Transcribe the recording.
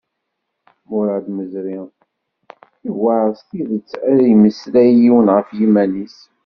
Muṛad Meẓri: Iwεer s tidet ad d-yemmeslay yiwen ɣef yiman-is.